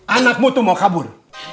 anakmu tuh mau kabur